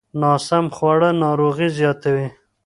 ناسم خواړه ناروغۍ زیاتوي.